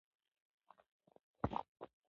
ما ديني سبقان هم ويلي دي.